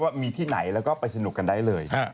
ว่ามีที่ไหนแล้วก็ไปสนุกกันได้เลย